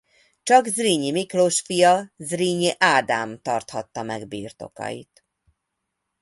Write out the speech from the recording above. Csak Zrínyi Miklós fia Zrínyi Ádám tarthatta meg birtokait.